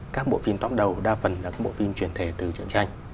các bộ phim tóm đầu đa phần là các bộ phim truyền thể từ truyền tranh